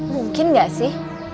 mungkin gak sih